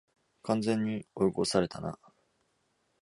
完全に追い越されたな